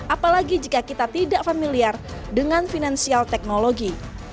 apalagi jika kita tidak familiar dengan finansial teknologi